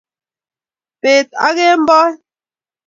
bet ak kemboi